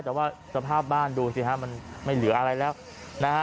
แต่ว่าสภาพบ้านดูสิฮะมันไม่เหลืออะไรแล้วนะฮะ